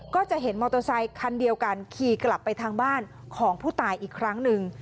ก็จะเห็นมอเตอร์ไซคันเดียวกันขี่กลับไปทางบ้านของผู้ตายอีกครั้งหนึ่ง